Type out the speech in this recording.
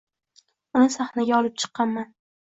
Uni sahnaga olib chiqqanman.